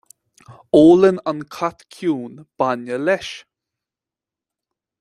Ólann an cat ciúin bainne leis